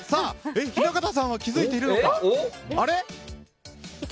雛形さんは気づいているのか？